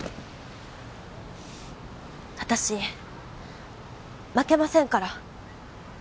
私負けませんから。